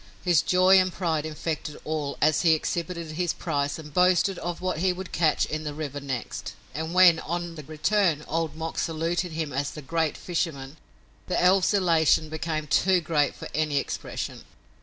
His joy and pride infected all as he exhibited his prize and boasted of what he would catch in the river next, and when, on the return, Old Mok saluted him as the "Great Fisherman," the elf's elation became too great for any expression.